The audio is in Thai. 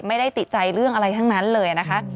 ไม่ได้ติดใจเรื่องอะไรทั้งนั้นเลยนะคะ